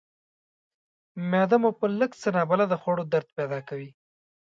معده مو په لږ څه نابلده خوړو درد پیدا کوي.